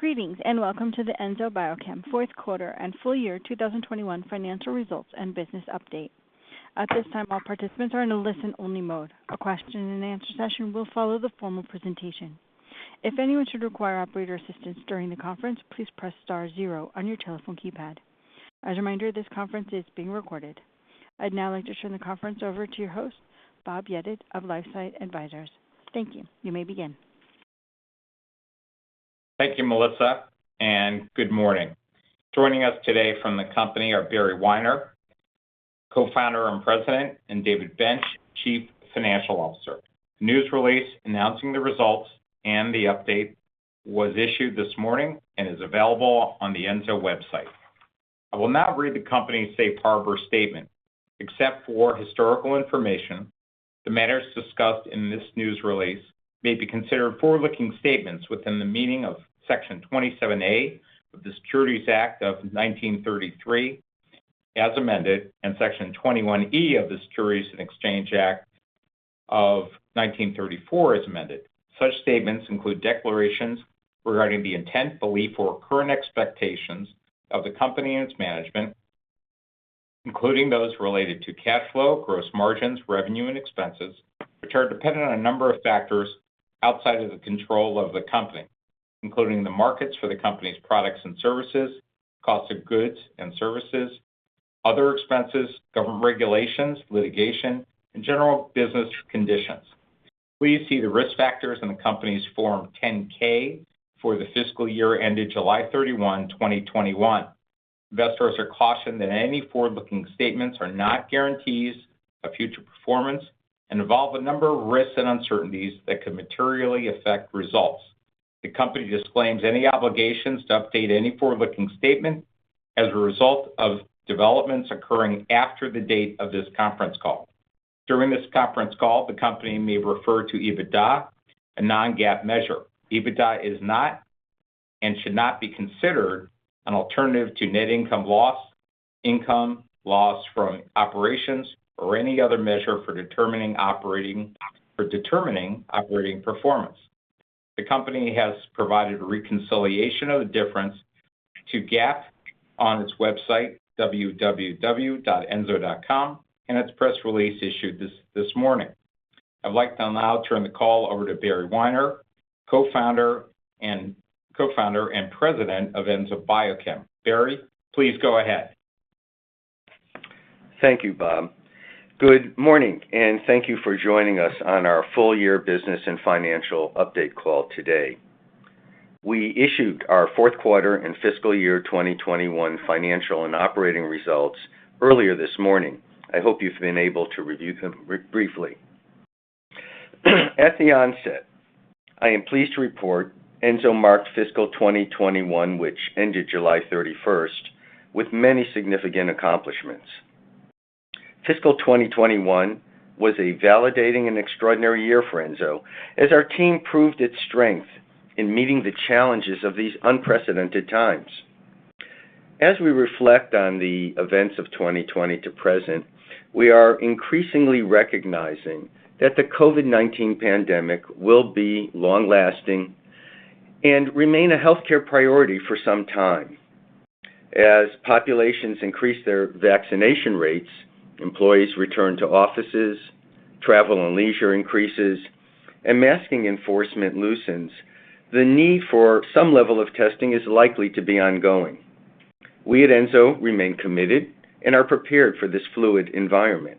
Greetings, and welcome to the Enzo Biochem fourth quarter and full year 2021 financial results and business update. I'd now like to turn the conference over to your host, Bob Yedid of LifeSci Advisors. Thank you. You may begin. Thank you, Melissa, and good morning. Joining us today from the company are Barry Weiner, Co-Founder and President, and David Bench, Chief Financial Officer. The news release announcing the results and the update was issued this morning and is available on the Enzo website. I will now read the company's safe harbor statement. Except for historical information, the matters discussed in this news release may be considered forward-looking statements within the meaning of Section 27A of the Securities Act of 1933, as amended, and Section 21E of the Securities Exchange Act of 1934, as amended. Such statements include declarations regarding the intent, belief, or current expectations of the company and its management, including those related to cash flow, gross margins, revenue, and expenses, which are dependent on a number of factors outside of the control of the company, including the markets for the company's products and services, cost of goods and services, other expenses, government regulations, litigation, and general business conditions. Please see the risk factors in the company's Form 10-K for the fiscal year ended July 31, 2021. Investors are cautioned that any forward-looking statements are not guarantees of future performance and involve a number of risks and uncertainties that could materially affect results. The company disclaims any obligations to update any forward-looking statement as a result of developments occurring after the date of this conference call. During this conference call, the company may refer to EBITDA, a non-GAAP measure. EBITDA is not and should not be considered an alternative to net income loss, income, loss from operations, or any other measure for determining operating performance. The company has provided a reconciliation of the difference to GAAP on its website, www.enzo.com, and its press release issued this morning. I'd like to now turn the call over to Barry Weiner, Co-Founder and President of Enzo Biochem. Barry, please go ahead. Thank you, Bob. Good morning, and thank you for joining us on our full-year business and financial update call today. We issued our fourth quarter and fiscal year 2021 financial and operating results earlier this morning. I hope you've been able to review them briefly. At the onset, I am pleased to report Enzo marked fiscal 2021, which ended July 31st, with many significant accomplishments. Fiscal 2021 was a validating and extraordinary year for Enzo as our team proved its strength in meeting the challenges of these unprecedented times. As we reflect on the events of 2020 to present, we are increasingly recognizing that the COVID-19 pandemic will be long-lasting and remain a healthcare priority for some time. As populations increase their vaccination rates, employees return to offices, travel and leisure increases, and masking enforcement loosens, the need for some level of testing is likely to be ongoing. We at Enzo remain committed and are prepared for this fluid environment.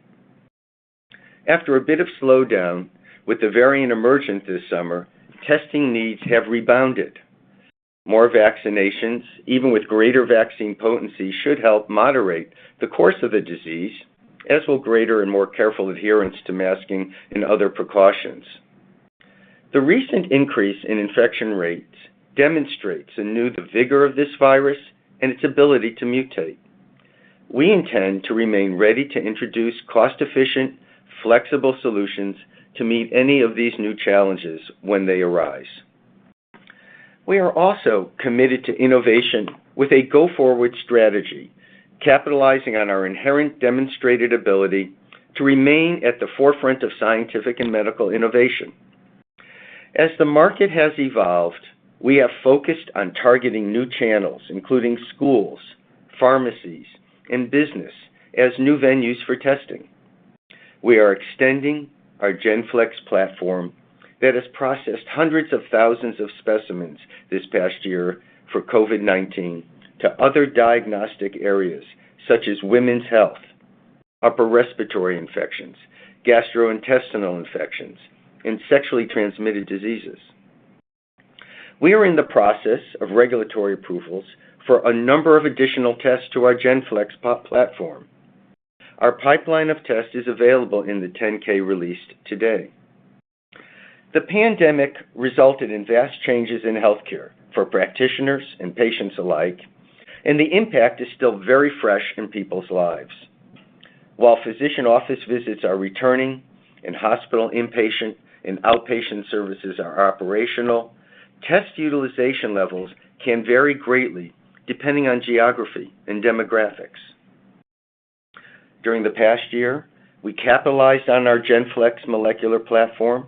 After a bit of slowdown with the variant emergent this summer, testing needs have rebounded. More vaccinations, even with greater vaccine potency, should help moderate the course of the disease, as will greater and more careful adherence to masking and other precautions. The recent increase in infection rates demonstrates anew the vigor of this virus and its ability to mutate. We intend to remain ready to introduce cost-efficient, flexible solutions to meet any of these new challenges when they arise. We are also committed to innovation with a go-forward strategy, capitalizing on our inherent demonstrated ability to remain at the forefront of scientific and medical innovation. As the market has evolved, we have focused on targeting new channels, including schools, pharmacies, and business as new venues for testing. We are extending our GENFLEX platform that has processed hundreds of thousands of specimens this past year for COVID-19 to other diagnostic areas such as women's health, upper respiratory infections, gastrointestinal infections, and sexually transmitted diseases. We are in the process of regulatory approvals for a number of additional tests to our GENFLEX platform. Our pipeline of tests is available in the 10-K released today. The pandemic resulted in vast changes in healthcare for practitioners and patients alike, and the impact is still very fresh in people's lives. While physician office visits are returning and hospital inpatient and outpatient services are operational, test utilization levels can vary greatly depending on geography and demographics. During the past year, we capitalized on our GENFLEX molecular platform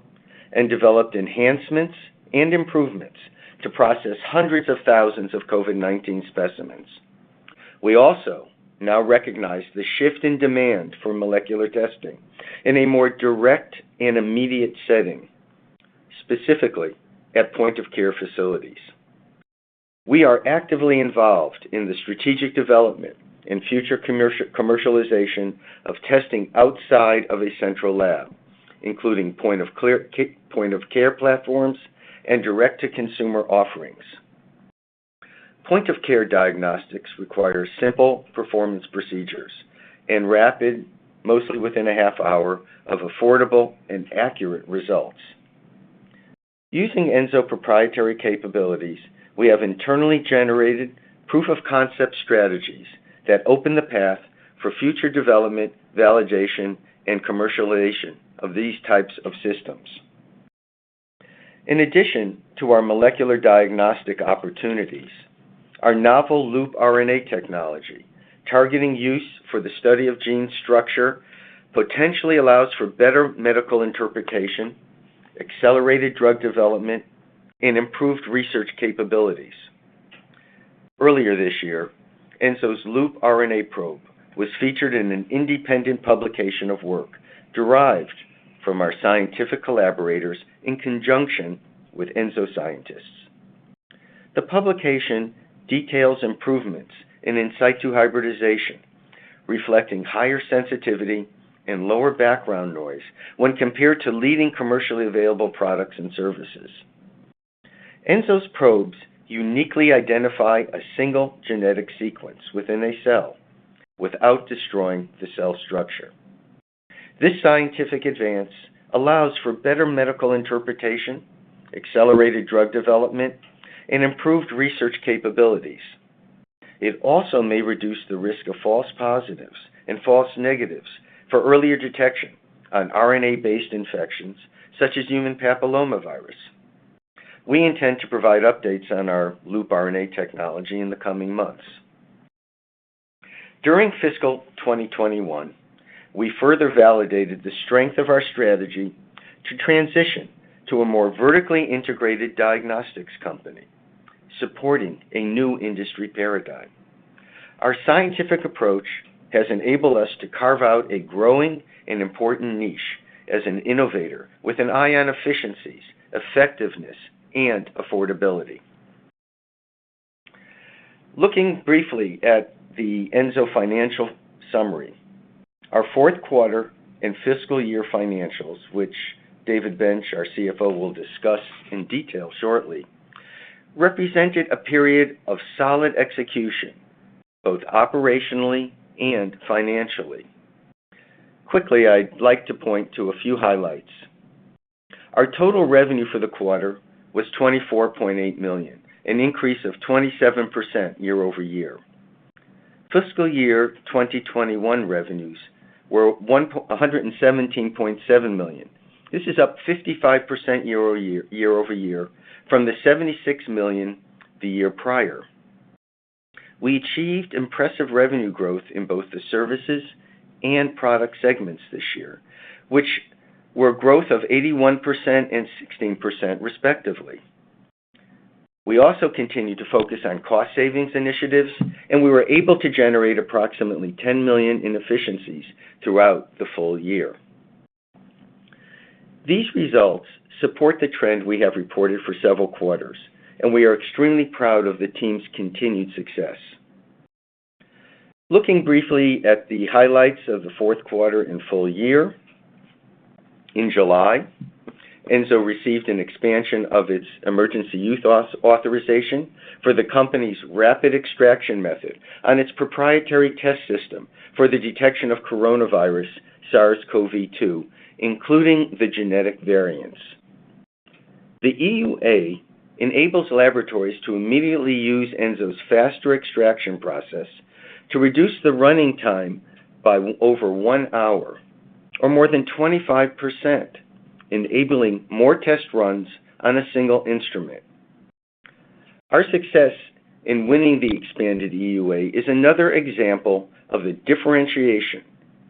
and developed enhancements and improvements to process hundreds of thousands of COVID-19 specimens. We also now recognize the shift in demand for molecular testing in a more direct and immediate setting, specifically at point-of-care facilities. We are actively involved in the strategic development and future commercialization of testing outside of a central lab, including point-of-care platforms and direct-to-consumer offerings. Point-of-care diagnostics requires simple performance procedures and rapid, mostly within a half hour, of affordable and accurate results. Using Enzo proprietary capabilities, we have internally generated proof of concept strategies that open the path for future development, validation, and commercialization of these types of systems. In addition to our molecular diagnostic opportunities, our novel LoopRNA technology, targeting use for the study of gene structure, potentially allows for better medical interpretation, accelerated drug development, and improved research capabilities. Earlier this year, Enzo's LoopRNA probe was featured in an independent publication of work derived from our scientific collaborators in conjunction with Enzo scientists. The publication details improvements in in situ hybridization, reflecting higher sensitivity and lower background noise when compared to leading commercially available products and services. Enzo's probes uniquely identify a single genetic sequence within a cell without destroying the cell structure. This scientific advance allows for better medical interpretation, accelerated drug development, and improved research capabilities. It also may reduce the risk of false positives and false negatives for earlier detection on RNA-based infections, such as human papillomavirus. We intend to provide updates on our LoopRNA technology in the coming months. During fiscal 2021, we further validated the strength of our strategy to transition to a more vertically integrated diagnostics company, supporting a new industry paradigm. Our scientific approach has enabled us to carve out a growing and important niche as an innovator with an eye on efficiencies, effectiveness, and affordability. Looking briefly at the Enzo financial summary, our fourth quarter and fiscal year financials, which David Bench, our CFO, will discuss in detail shortly, represented a period of solid execution, both operationally and financially. Quickly, I'd like to point to a few highlights. Our total revenue for the quarter was $24.8 million, an increase of 27% year-over-year. Fiscal year 2021 revenues were $117.7 million. This is up 55% year-over-year from the $76 million the year prior. We achieved impressive revenue growth in both the services and product segments this year, which were growth of 81% and 16%, respectively. We also continued to focus on cost savings initiatives, and we were able to generate approximately $10 million in efficiencies throughout the full year. These results support the trend we have reported for several quarters, and we are extremely proud of the team's continued success. Looking briefly at the highlights of the fourth quarter and full year, in July, Enzo received an expansion of its emergency use authorization for the company's rapid extraction method on its proprietary test system for the detection of coronavirus SARS-CoV-2, including the genetic variants. The EUA enables laboratories to immediately use Enzo's faster extraction process to reduce the running time by over 1 hour, or more than 25%, enabling more test runs on a single instrument. Our success in winning the expanded EUA is another example of the differentiation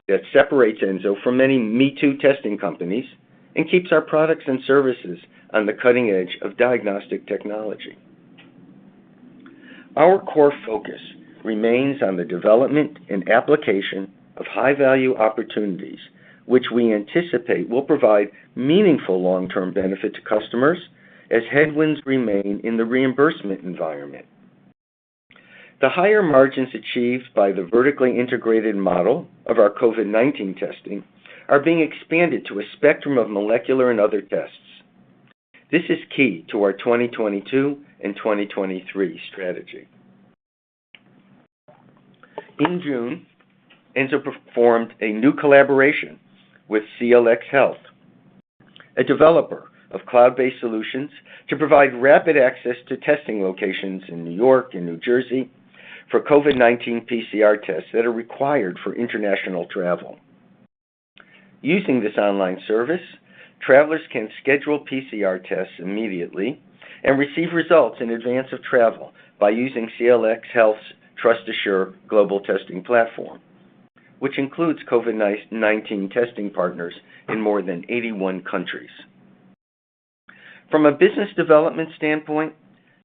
that separates Enzo from many me-too testing companies and keeps our products and services on the cutting edge of diagnostic technology. Our core focus remains on the development and application of high-value opportunities, which we anticipate will provide meaningful long-term benefit to customers as headwinds remain in the reimbursement environment. The higher margins achieved by the vertically integrated model of our COVID-19 testing are being expanded to a spectrum of molecular and other tests. This is key to our 2022 and 2023 strategy. In June, Enzo performed a new collaboration with CLX Health, a developer of cloud-based solutions, to provide rapid access to testing locations in New York and New Jersey for COVID-19 PCR tests that are required for international travel. Using this online service, travelers can schedule PCR tests immediately and receive results in advance of travel by using CLX Health's TrustAssure global testing platform, which includes COVID-19 testing partners in more than 81 countries. From a business development standpoint,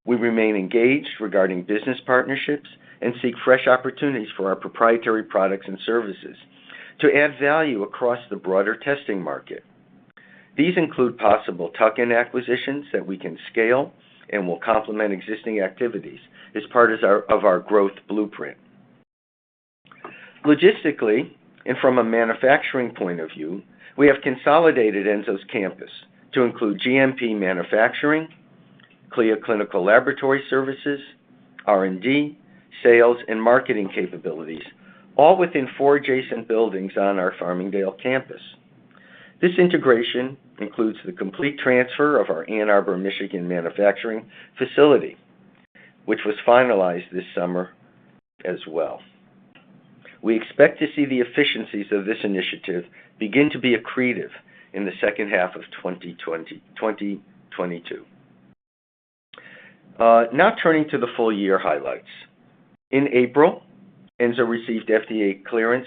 we remain engaged regarding business partnerships and seek fresh opportunities for our proprietary products and services to add value across the broader testing market. These include possible tuck-in acquisitions that we can scale and will complement existing activities as part of our growth blueprint. Logistically, and from a manufacturing point of view, we have consolidated Enzo's campus to include GMP manufacturing, CLIA clinical laboratory services, R&D, sales, and marketing capabilities, all within four adjacent buildings on our Farmingdale campus. This integration includes the complete transfer of our Ann Arbor, Michigan, manufacturing facility, which was finalized this summer as well. We expect to see the efficiencies of this initiative begin to be accretive in the second half of 2022. Turning to the full-year highlights. In April, Enzo received FDA clearance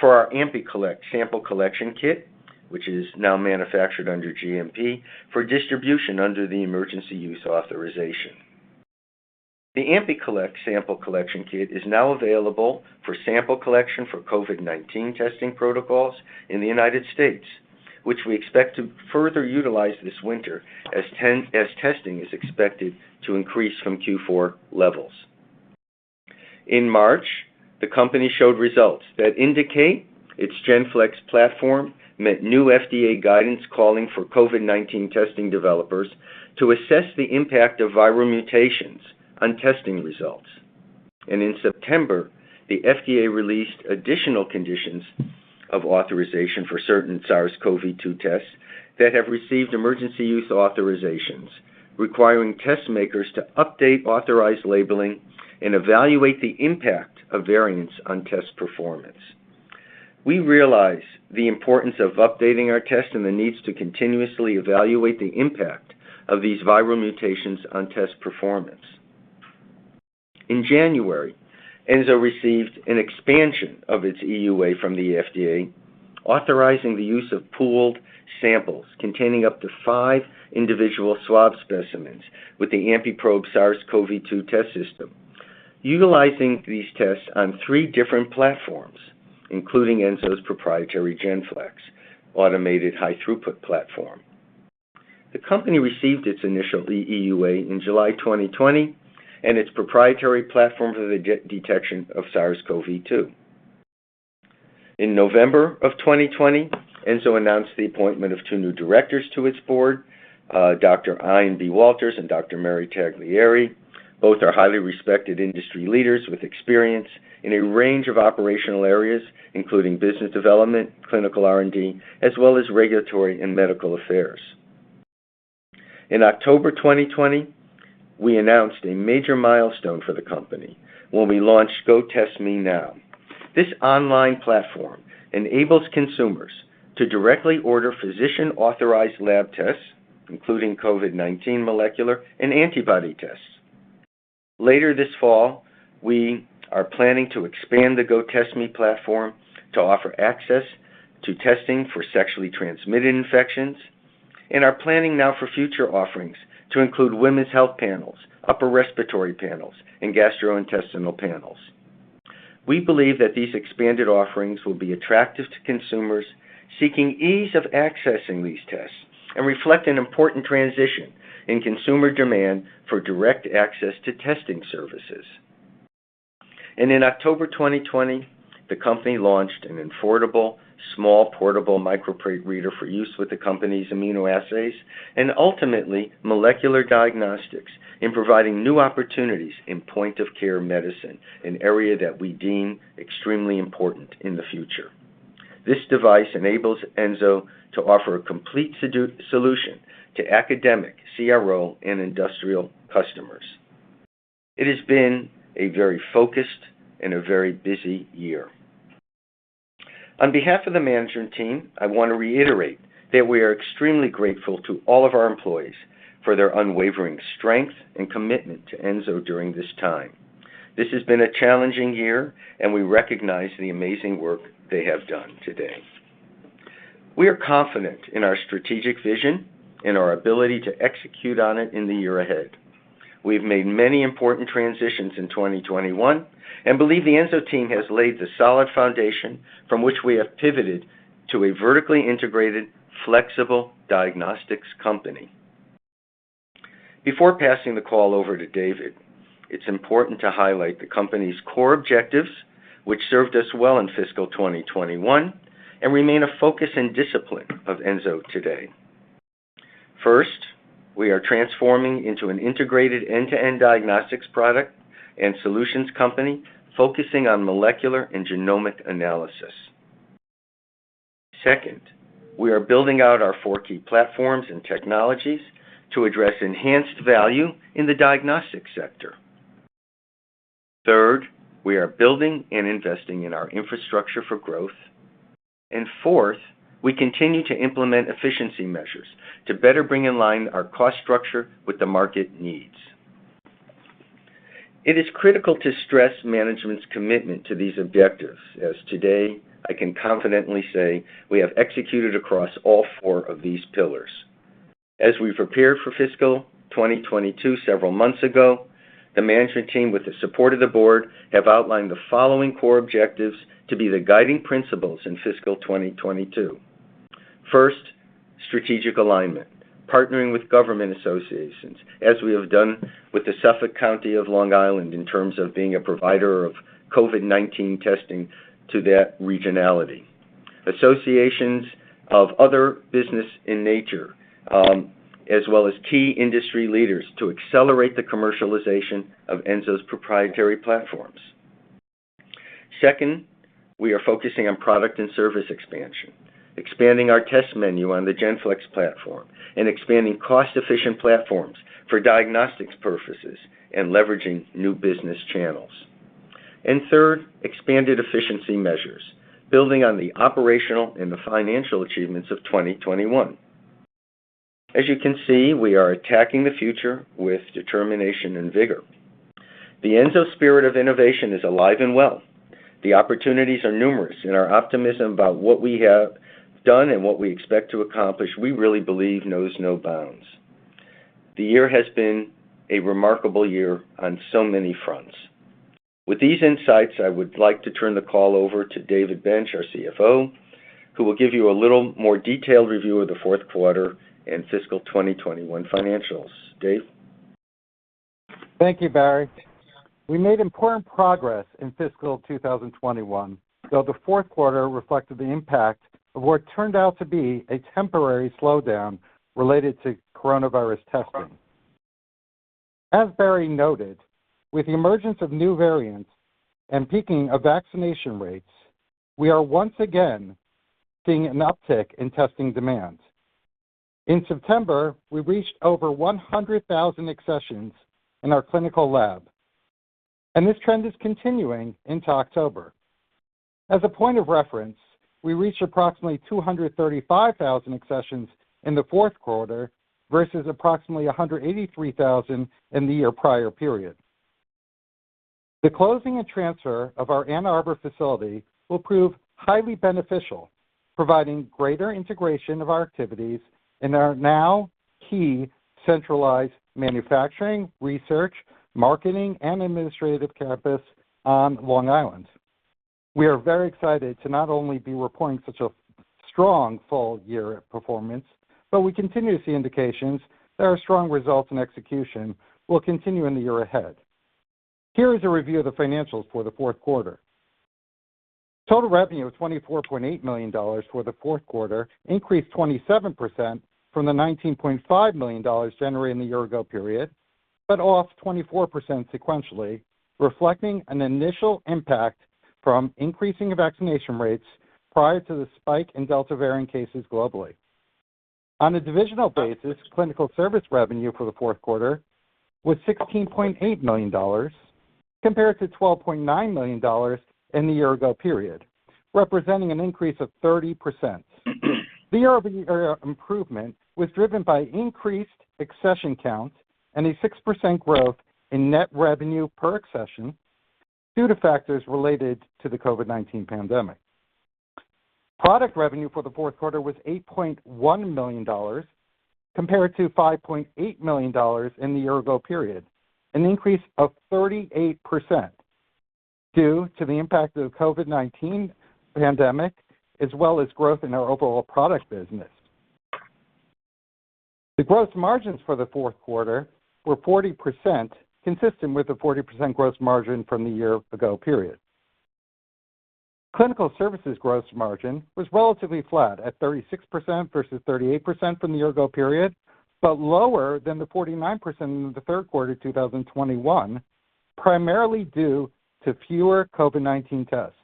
for our AMPICOLLECT Sample Collection Kit, which is now manufactured under GMP for distribution under the Emergency Use Authorization. The AMPICOLLECT Sample Collection Kit is now available for sample collection for COVID-19 testing protocols in the United States, which we expect to further utilize this winter as testing is expected to increase from Q4 levels. In March, the company showed results that indicate its GENFLEX platform met new FDA guidance calling for COVID-19 testing developers to assess the impact of viral mutations on testing results. In September, the FDA released additional conditions of authorization for certain SARS-CoV-2 tests that have received emergency use authorizations, requiring test makers to update authorized labeling and evaluate the impact of variants on test performance. We realize the importance of updating our test and the needs to continuously evaluate the impact of these viral mutations on test performance. In January, Enzo received an expansion of its EUA from the FDA, authorizing the use of pooled samples containing up to 5 individual swab specimens with the AMPIPROBE SARS-CoV-2 Test System, utilizing these tests on 3 different platforms, including Enzo's proprietary GENFLEX automated high-throughput platform. The company received its initial EUA in July 2020 and its proprietary platform for the detection of SARS-CoV-2. In November of 2020, Enzo announced the appointment of 2 new directors to its board, Dr. Ian Walters and Dr. Mary Tagliaferri. Both are highly respected industry leaders with experience in a range of operational areas, including business development, clinical R&D, as well as regulatory and medical affairs. In October 2020, we announced a major milestone for the company when we launched GoTestMeNow. This online platform enables consumers to directly order physician-authorized lab tests, including COVID-19 molecular and antibody tests. Later this fall, we are planning to expand the GoTestMe platform to offer access to testing for sexually transmitted infections and are planning now for future offerings to include women's health panels, upper respiratory panels, and gastrointestinal panels. We believe that these expanded offerings will be attractive to consumers seeking ease of accessing these tests and reflect an important transition in consumer demand for direct access to testing services. In October 2020, the company launched an affordable, small, portable microplate reader for use with the company's immunoassays and ultimately molecular diagnostics in providing new opportunities in point-of-care medicine, an area that we deem extremely important in the future. This device enables Enzo to offer a complete solution to academic, CRO, and industrial customers. It has been a very focused and a very busy year. On behalf of the management team, I want to reiterate that we are extremely grateful to all of our employees for their unwavering strength and commitment to Enzo during this time. This has been a challenging year, and we recognize the amazing work they have done to-date. We are confident in our strategic vision and our ability to execute on it in the year ahead. We've made many important transitions in 2021 and believe the Enzo team has laid the solid foundation from which we have pivoted to a vertically integrated, flexible diagnostics company. Before passing the call over to David, it's important to highlight the company's core objectives, which served us well in fiscal 2021 and remain a focus and discipline of Enzo today. First, we are transforming into an integrated end-to-end diagnostics product and solutions company focusing on molecular and genomic analysis. Second, we are building out our 4 key platforms and technologies to address enhanced value in the diagnostic sector. Third, we are building and investing in our infrastructure for growth. Fourth, we continue to implement efficiency measures to better bring in line our cost structure with the market needs. It is critical to stress management's commitment to these objectives, as today, I can confidently say we have executed across all 4 of these pillars. As we prepared for fiscal 2022 several months ago, the management team, with the support of the board, have outlined the following core objectives to be the guiding principles in fiscal 2022. First, strategic alignment, partnering with government associations, as we have done with the Suffolk County of Long Island in terms of being a provider of COVID-19 testing to that regionality, associations of other business in nature, as well as key industry leaders to accelerate the commercialization of Enzo's proprietary platforms. Second, we are focusing on product and service expansion, expanding our test menu on the GENFLEX platform, and expanding cost-efficient platforms for diagnostics purposes and leveraging new business channels. Third, expanded efficiency measures, building on the operational and the financial achievements of 2021. As you can see, we are attacking the future with determination and vigor. The Enzo spirit of innovation is alive and well. The opportunities are numerous, and our optimism about what we have done and what we expect to accomplish, we really believe knows no bounds. The year has been a remarkable year on so many fronts. With these insights, I would like to turn the call over to David Bench, our CFO, who will give you a little more detailed review of the fourth quarter and fiscal 2021 financials. Dave? Thank you, Barry. We made important progress in fiscal 2021, though the fourth quarter reflected the impact of what turned out to be a temporary slowdown related to coronavirus testing. As Barry noted, with the emergence of new variants and peaking of vaccination rates, we are once again seeing an uptick in testing demand. In September, we reached over 100,000 accessions in our clinical lab, and this trend is continuing into October. As a point of reference, we reached approximately 235,000 accessions in the fourth quarter versus approximately 183,000 in the year prior period. The closing and transfer of our Ann Arbor facility will prove highly beneficial, providing greater integration of our activities in our now key centralized manufacturing, research, marketing, and administrative campus on Long Island. We are very excited to not only be reporting such a strong full-year performance, but we continue to see indications that our strong results and execution will continue in the year ahead. Here is a review of the financials for the fourth quarter. Total revenue of $24.8 million for the fourth quarter increased 27% from the $19.5 million generated in the year-ago period, off 24% sequentially, reflecting an initial impact from increasing vaccination rates prior to the spike in Delta variant cases globally. On a divisional basis, clinical service revenue for the fourth quarter was $16.8 million compared to $12.9 million in the year-ago period, representing an increase of 30%. The year-over-year improvement was driven by increased accession count and a 6% growth in net revenue per accession due to factors related to the COVID-19 pandemic. Product revenue for the fourth quarter was $8.1 million compared to $5.8 million in the year-ago period, an increase of 38% due to the impact of COVID-19 pandemic as well as growth in our overall product business. The gross margins for the fourth quarter were 40%, consistent with the 40% gross margin from the year-ago period. Clinical services gross margin was relatively flat at 36% versus 38% from the year-ago period, but lower than the 49% in the third quarter 2021, primarily due to fewer COVID-19 tests.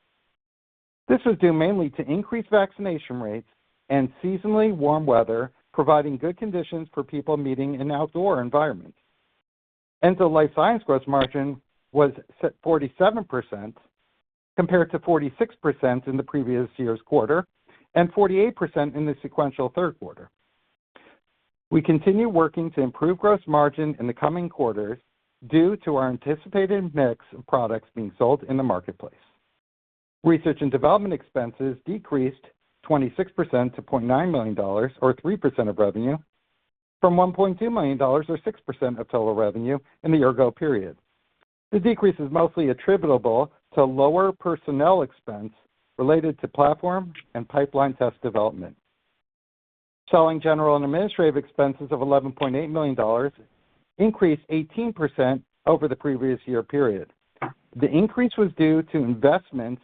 This was due mainly to increased vaccination rates and seasonally warm weather providing good conditions for people meeting in outdoor environments. Enzo Life Sciences gross margin was 47% compared to 46% in the previous year's quarter and 48% in the sequential third quarter. We continue working to improve gross margin in the coming quarters due to our anticipated mix of products being sold in the marketplace. Research and development expenses decreased 26% to $0.9 million, or 3% of revenue, from $1.2 million or 6% of total revenue in the year-ago period. The decrease is mostly attributable to lower personnel expense related to platform and pipeline test development. Selling, general, and administrative expenses of $11.8 million increased 18% over the previous year period. The increase was due to investments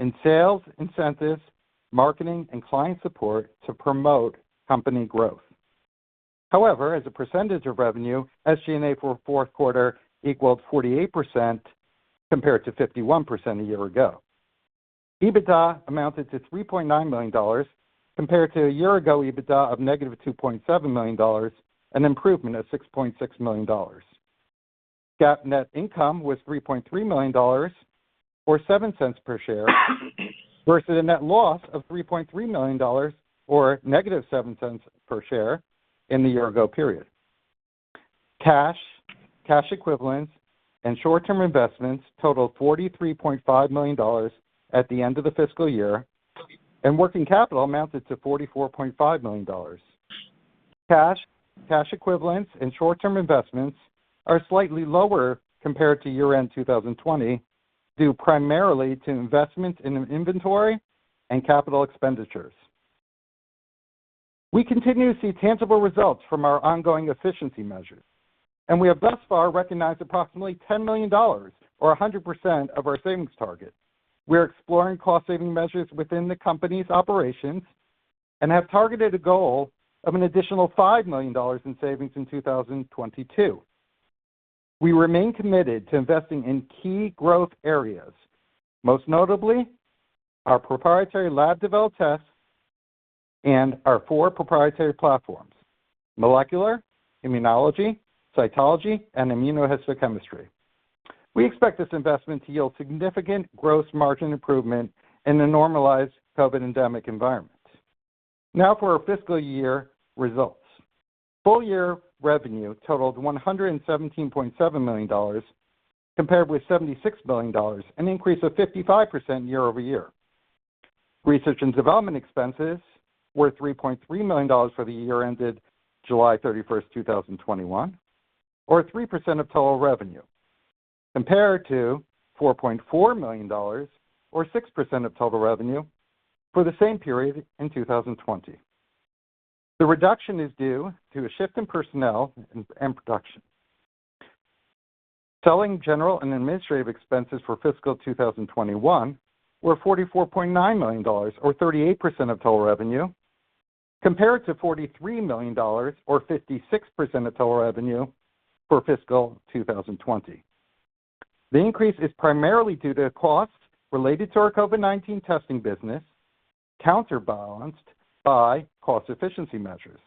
in sales incentives, marketing, and client support to promote company growth. As a percentage of revenue, SG&A for fourth quarter equaled 48% compared to 51% a year ago. EBITDA amounted to $3.9 million compared to a year-ago EBITDA of negative $2.7 million, an improvement of $6.6 million. GAAP net income was $3.3 million or $0.07 per share, versus a net loss of $3.3 million or negative $0.07 per share in the year ago period. Cash, cash equivalents, and short-term investments totaled $43.5 million at the end of the fiscal year, and working capital amounted to $44.5 million. Cash, cash equivalents, and short-term investments are slightly lower compared to year-end 2020, due primarily to investments in inventory and capital expenditures. We continue to see tangible results from our ongoing efficiency measures, and we have thus far recognized approximately $10 million, or 100% of our savings target. We're exploring cost-saving measures within the company's operations and have targeted a goal of an additional $5 million in savings in 2022. We remain committed to investing in key growth areas, most notably our proprietary lab developed tests and our four proprietary platforms: molecular, immunology, cytology, and immunohistochemistry. We expect this investment to yield significant gross margin improvement in a normalized COVID-19 endemic environment. For our fiscal year results. Full year revenue totaled $117.7 million, compared with $76 million, an increase of 55% year-over-year. Research and development expenses were $3.3 million for the year ended July 31st, 2021, or 3% of total revenue, compared to $4.4 million or 6% of total revenue for the same period in 2020. The reduction is due to a shift in personnel and production. Selling, general, and administrative expenses for fiscal 2021 were $44.9 million or 38% of total revenue, compared to $43 million or 56% of total revenue for fiscal 2020. The increase is primarily due to costs related to our COVID-19 testing business, counterbalanced by cost efficiency measures.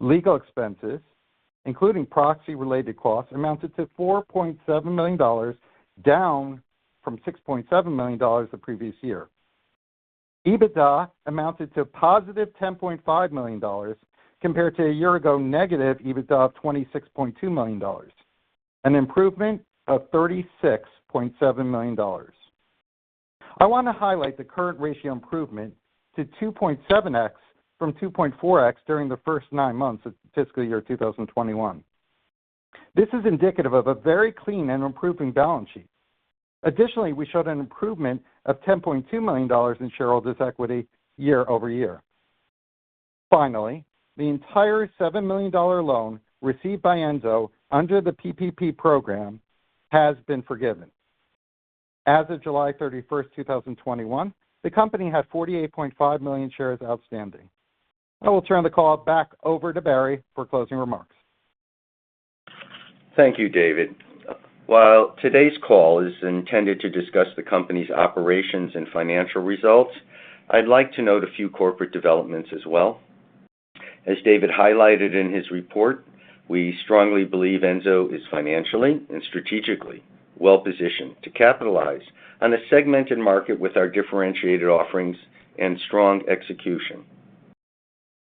Legal expenses, including proxy-related costs, amounted to $4.7 million, down from $6.7 million the previous year. EBITDA amounted to positive $10.5 million compared to a year ago negative EBITDA of $26.2 million, an improvement of $36.7 million. I want to highlight the current ratio improvement to 2.7x from 2.4x during the first nine months of fiscal year 2021. This is indicative of a very clean and improving balance sheet. Additionally, we showed an improvement of $10.2 million in shareholders' equity year-over-year. Finally, the entire $7 million loan received by Enzo under the PPP program has been forgiven. As of July 31st, 2021, the company had 48.5 million shares outstanding. I will turn the call back over to Barry for closing remarks. Thank you, David. While today's call is intended to discuss the company's operations and financial results, I'd like to note a few corporate developments as well. As David highlighted in his report, we strongly believe Enzo is financially and strategically well-positioned to capitalize on a segmented market with our differentiated offerings and strong execution.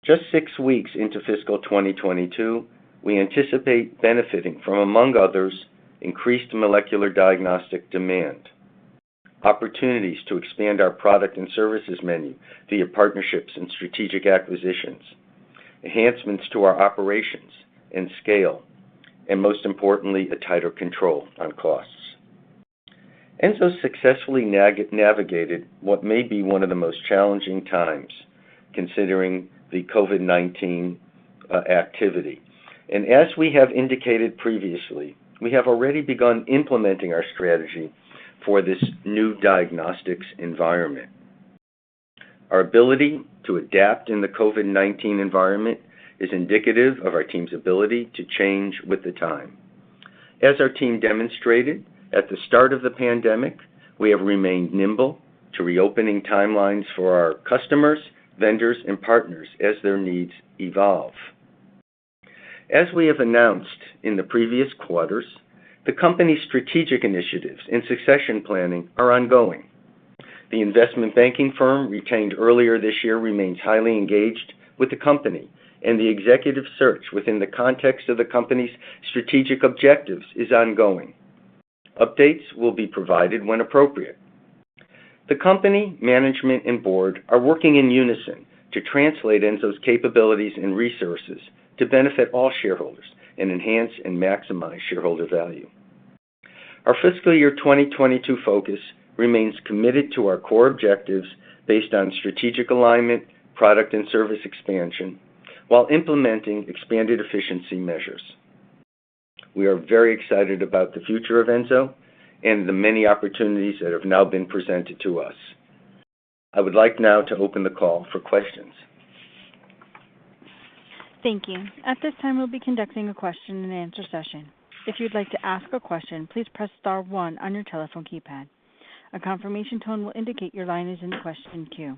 Just six weeks into fiscal 2022, we anticipate benefiting from, among others, increased molecular diagnostic demand, opportunities to expand our product and services menu via partnerships and strategic acquisitions, enhancements to our operations and scale, and most importantly, a tighter control on costs. Enzo successfully navigated what may be one of the most challenging times considering the COVID-19 activity. As we have indicated previously, we have already begun implementing our strategy for this new diagnostics environment. Our ability to adapt in the COVID-19 environment is indicative of our team's ability to change with the time. As our team demonstrated at the start of the pandemic, we have remained nimble to reopening timelines for our customers, vendors, and partners as their needs evolve. As we have announced in the previous quarters, the company's strategic initiatives and succession planning are ongoing. The investment banking firm retained earlier this year remains highly engaged with the company, and the executive search within the context of the company's strategic objectives is ongoing. Updates will be provided when appropriate. The company, management, and board are working in unison to translate Enzo's capabilities and resources to benefit all shareholders and enhance and maximize shareholder value. Our fiscal year 2022 focus remains committed to our core objectives based on strategic alignment, product and service expansion, while implementing expanded efficiency measures. We are very excited about the future of Enzo and the many opportunities that have now been presented to us. I would like now to open the call for questions. Thank you. At this time, we'll be conducting a question and answer session. If you'd like to ask a question, please press star one on your telephone keypad. A confirmation tone will indicate your line is in the question queue.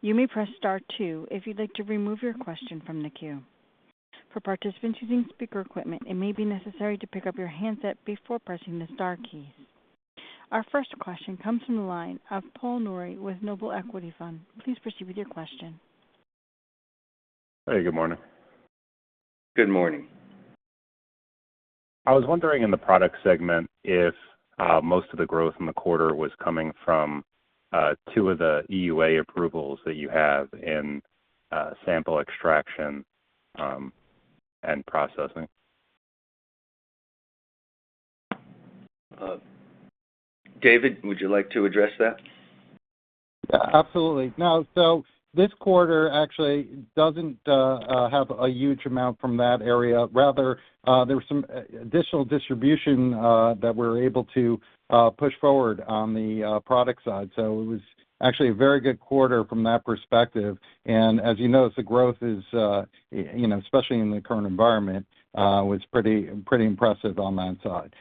You may press star two if you'd like to remove your question from the queue. For participants using speaker equipment, it may be necessary to pick up your handset before pressing the star keys. Our first question comes from the line of Paul Nouri with Noble Equity Fund. Please proceed with your question. Hey, good morning. Good morning. I was wondering, in the product segment, if most of the growth in the quarter was coming from 2 of the EUA approvals that you have in sample extraction and processing. David, would you like to address that? Absolutely. This quarter actually doesn't have a huge amount from that area. Rather, there was some additional distribution that we're able to push forward on the product side. It was actually a very good quarter from that perspective. As you notice, the growth, especially in the current environment, was pretty impressive on that side.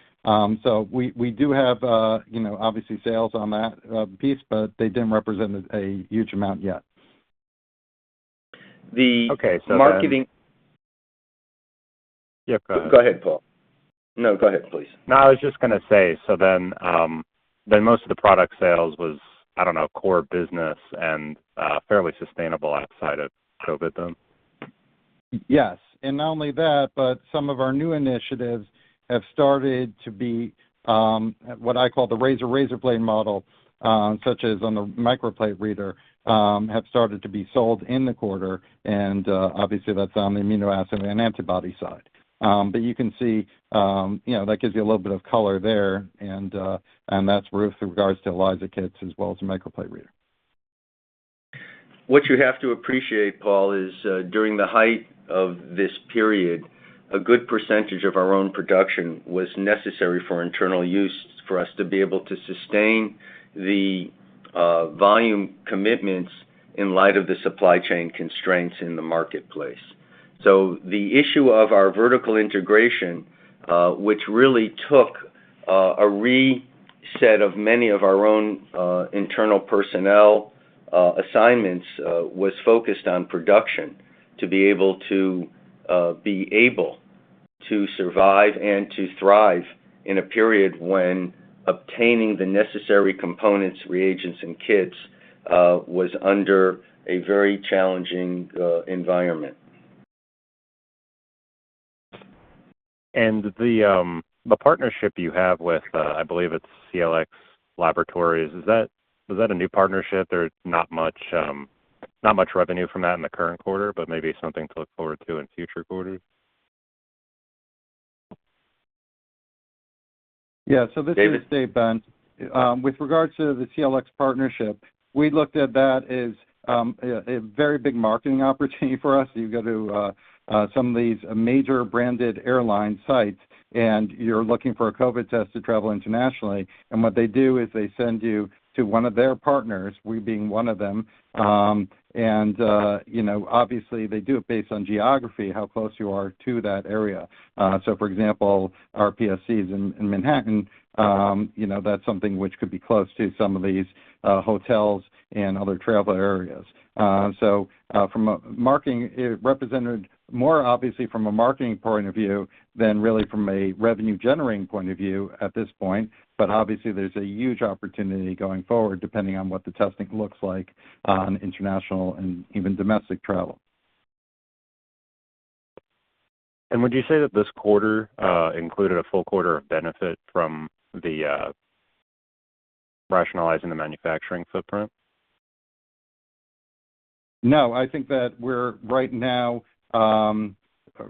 We do have, obviously, sales on that piece, but they didn't represent a huge amount yet. Okay, so then- The marketing. Yeah, go ahead. Go ahead, Paul. No, go ahead, please. No, I was just going to say, most of the product sales was, I don't know, core business and fairly sustainable outside of COVID-19, then? Yes. Not only that, but some of our new initiatives have started to be what I call the razor blade model, such as on the microplate reader, have started to be sold in the quarter, and obviously that's on the aminoassay and antibody side. You can see that gives you a little bit of color there, and that's with regards to ELISA Kits as well as a microplate reader. What you have to appreciate, Paul, is during the height of this period, a good percentage of our own production was necessary for internal use for us to be able to sustain the volume commitments in light of the supply chain constraints in the marketplace. The issue of our vertical integration, which really took a reset of many of our own internal personnel assignments, was focused on production to be able to survive and to thrive in a period when obtaining the necessary components, reagents, and kits was under a very challenging environment. The partnership you have with, I believe it's CLX Laboratories, is that a new partnership? There's not much revenue from that in the current quarter, but maybe something to look forward to in future quarters. Yeah. David. This is David. With regards to the CLX partnership, we looked at that as a very big marketing opportunity for us. You go to some of these major branded airline sites, and you're looking for a COVID-19 test to travel internationally, and what they do is they send you to one of their partners, we being one of them. Obviously, they do it based on geography, how close you are to that area. For example, our Patient Service Centers in Manhattan, that's something which could be close to some of these hotels and other travel areas. It represented more obviously from a marketing point of view than really from a revenue-generating point of view at this point. Obviously, there's a huge opportunity going forward, depending on what the testing looks like on international and even domestic travel. Would you say that this quarter included a full quarter of benefit from the rationalizing the manufacturing footprint? No, I think that we're, right now,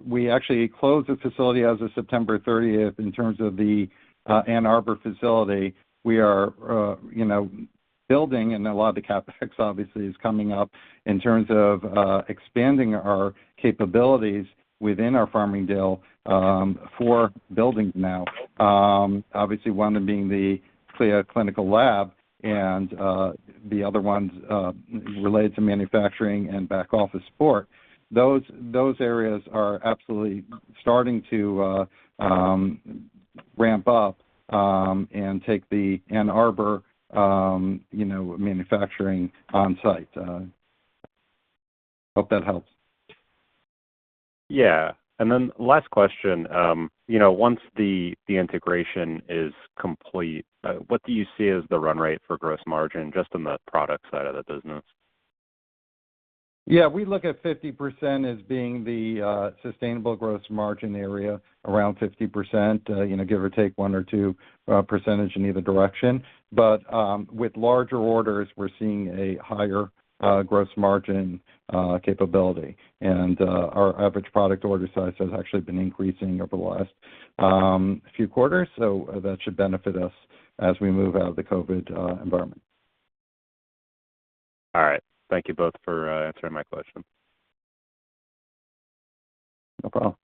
we actually closed the facility as of September 30th in terms of the Ann Arbor facility. We are building, a lot of the CapEx obviously is coming up in terms of expanding our capabilities within our Farmingdale 4 buildings now. Obviously, one of them being the CLIA clinical lab, the other ones related to manufacturing and back office support. Those areas are absolutely starting to ramp up and take the Ann Arbor manufacturing on site. Hope that helps. Yeah. Last question. Once the integration is complete, what do you see as the run rate for gross margin, just on the product side of the business? We look at 50% as being the sustainable gross margin area, around 50%, give or take 1 or 2 percentage in either direction. With larger orders, we're seeing a higher gross margin capability. Our average product order size has actually been increasing over the last few quarters. That should benefit us as we move out of the COVID-19 environment. All right. Thank you both for answering my question. No problem.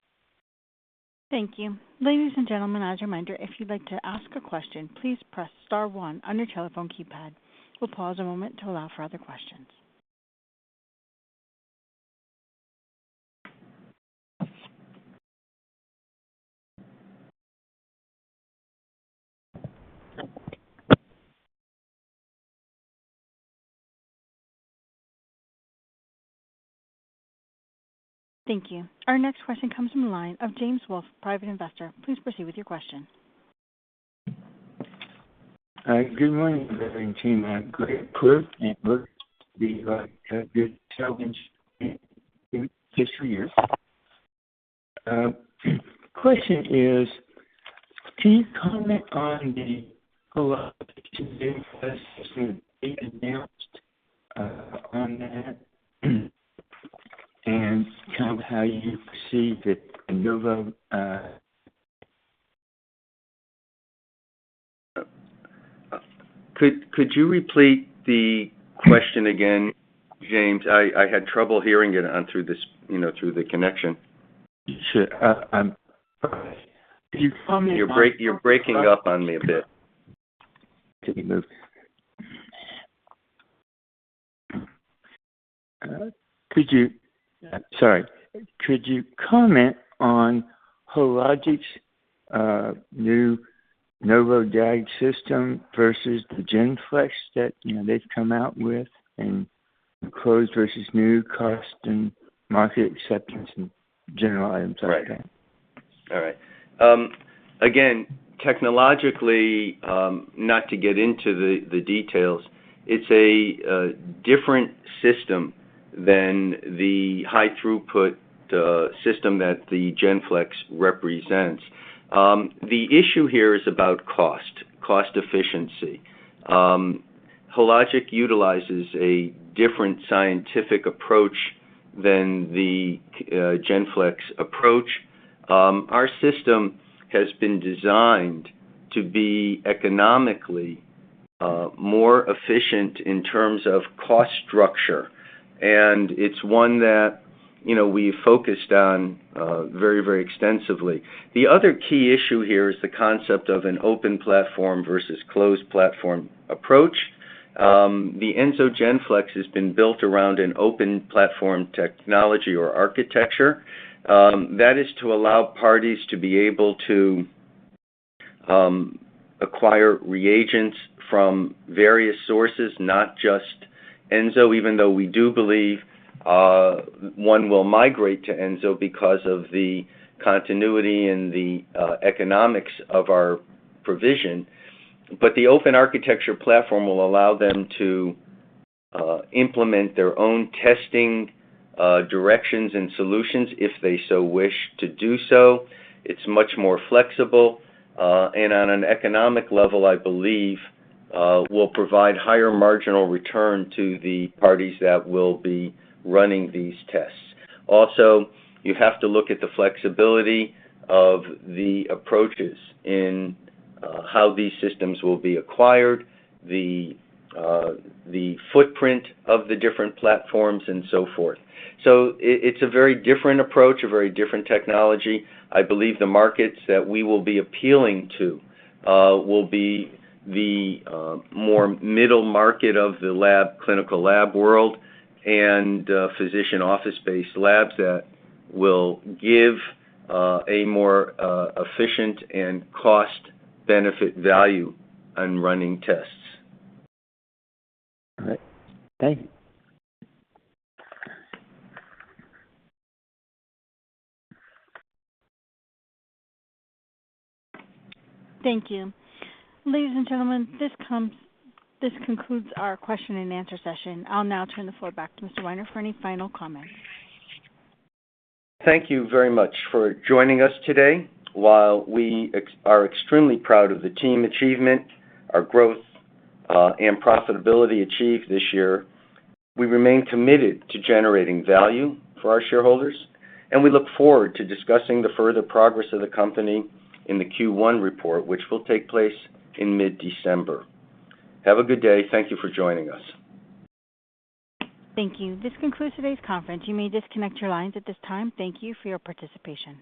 Thank you. Ladies and gentlemen, as a reminder, if you'd like to ask a question, please press star one on your telephone keypad. We'll pause a moment to allow for other questions. Thank you. Our next question comes from the line of James Wolf, Private Investor. Please proceed with your question. Hi. Good morning, management team. Great the good challenge in fiscal year. Question is, can you comment on the Hologic's new test system they announced on that, kind of how you perceive the Novodiag? Could you repeat the question again, James? I had trouble hearing it through the connection. Sure. Can you comment? You're breaking up on me a bit. Could you comment on Hologic's new Novodiag diagnostics system versus the GENFLEX that they've come out with, and closed versus new cost and market acceptance and general items like that? Right. All right. Again, technologically, not to get into the details, it's a different system than the high throughput system that the GENFLEX represents. The issue here is about cost efficiency. Hologic utilizes a different scientific approach than the GENFLEX approach. Our system has been designed to be economically more efficient in terms of cost structure, and it's one that we've focused on very extensively. The other key issue here is the concept of an open platform versus closed platform approach. The Enzo GENFLEX has been built around an open platform technology or architecture. That is to allow parties to be able to acquire reagents from various sources, not just Enzo, even though we do believe one will migrate to Enzo because of the continuity and the economics of our provision. The open architecture platform will allow them to implement their own testing, directions, and solutions if they so wish to do so. It's much more flexible, and on an economic level, I believe, will provide higher marginal return to the parties that will be running these tests. Also, you have to look at the flexibility of the approaches in how these systems will be acquired, the footprint of the different platforms, and so forth. It's a very different approach, a very different technology. I believe the markets that we will be appealing to will be the more middle market of the clinical lab world and physician office-based labs that will give a more efficient and cost-benefit value on running tests. All right. Thank you. Thank you. Ladies and gentlemen, this concludes our question and answer session. I'll now turn the floor back to Mr. Weiner for any final comments. Thank you very much for joining us today. While we are extremely proud of the team achievement, our growth, and profitability achieved this year, we remain committed to generating value for our shareholders, and we look forward to discussing the further progress of the company in the Q1 report, which will take place in mid-December. Have a good day. Thank you for joining us. Thank you. This concludes today's conference. You may disconnect your lines at this time. Thank you for your participation.